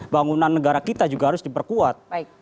bangunan negara kita juga harus diperkuat